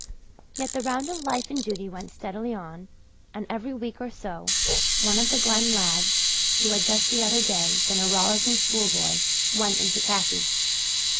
Yet the round of life and duty went steadily on and every week or so one of the Glen lads who had just the other day been a rollicking schoolboy went into khaki.